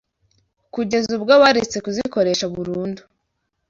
kugeza ubwo baretse kuzikoresha burundu